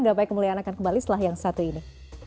gapai kemuliaan akan kembali setelah yang satu ini